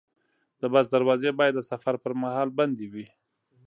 د بس دروازې باید د سفر پر مهال بندې وي.